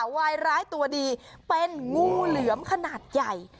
วายร้ายตัวดีเป็นงูเหลือมขนาดใหญ่